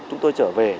chúng tôi chở vào